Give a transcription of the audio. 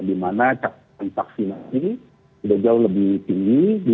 di mana capaian vaksinasi sudah jauh lebih tinggi